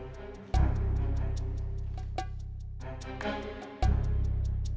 sudah siapkan card kamu